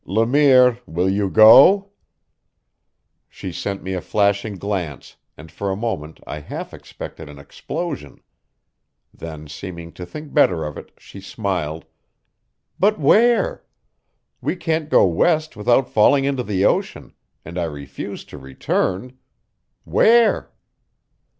"Le Mire, you will go?" She sent me a flashing glance, and for a moment I half expected an explosion. Then, seeming to think better of it, she smiled: "But where? We can't go west without falling into the ocean, and I refuse to return. Where?"